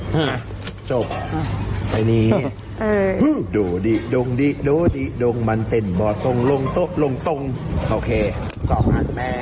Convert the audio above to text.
ห้าจูบท้ายนี้โดดิโดงดิโดดิโดงมันเต้นบ่อตงลงทงลงต้งโอเคส่อหาดแม่